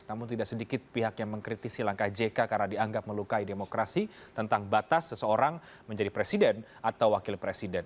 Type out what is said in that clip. namun tidak sedikit pihak yang mengkritisi langkah jk karena dianggap melukai demokrasi tentang batas seseorang menjadi presiden atau wakil presiden